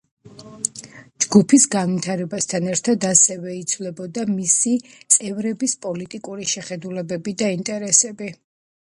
ჯგუფის განვითარებასთან ერთად ასევე იცვლებოდა მისი წევრების პოლიტიკური შეხედულებები და ინტერესები.